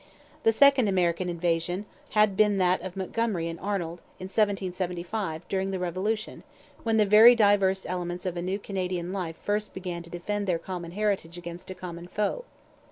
The second American invasion had been that of Montgomery and Arnold in 1775, during the Revolution, when the very diverse elements of a new Canadian life first began to defend their common heritage against a common foe.